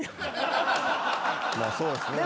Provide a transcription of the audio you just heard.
まあそうですね。